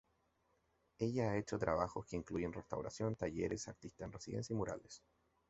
Ella ha hecho trabajos que incluyen restauración, talleres, artistas en residencia y murales.